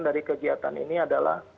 dari kegiatan ini adalah